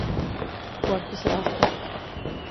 Корпус расте!